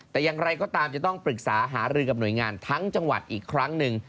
แต่อย่างไรก็ตามจะต้องปรึกษาหารือกับหน่วยงานทั้งจังหวัดอีกครั้งหนึ่ง